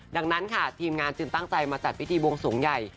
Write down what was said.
ดังนั้นค่ะทีมงานจึงตั้งใจมาจัดพิธีบวงสวงใหญ่